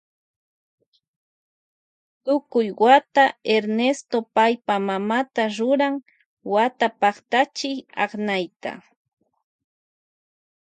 Tukuy wata Ernesto paypa mamata ruran wata paktachi aknayta.